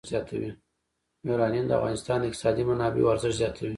یورانیم د افغانستان د اقتصادي منابعو ارزښت زیاتوي.